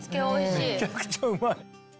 めちゃくちゃうまい！